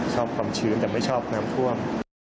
ความชื้นแต่ไม่ชอบน้ำท่วม